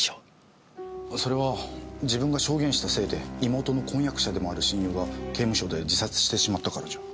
それは自分が証言したせいで妹の婚約者でもある親友が刑務所で自殺してしまったからじゃ。